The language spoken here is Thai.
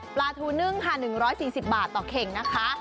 ปลาทูนึ่งค่ะ๑๔๐บาทต่อเข่งนะคะ